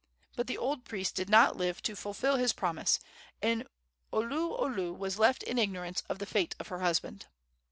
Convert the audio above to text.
But the old priest did not live to fulfil his promise, and Oluolu was left in ignorance of the fate of her husband.